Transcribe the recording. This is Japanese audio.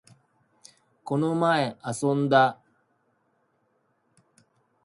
この前、遊んだ